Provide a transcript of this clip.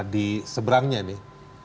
di seberangnya nih